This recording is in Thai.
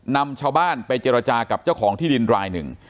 นำชาวบ้านไปเจรจากับเจ้าของที่ดินรายหนึ่ง